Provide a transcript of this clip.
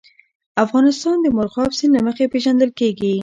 افغانستان د مورغاب سیند له مخې پېژندل کېږي.